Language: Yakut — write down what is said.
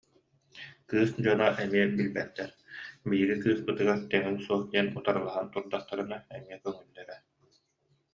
Кыыс дьоно эмиэ билбэттэр, биһиги кыыспытыгар тэҥиҥ суох диэн утарылаһан турдахтарына эмиэ көҥүллэрэ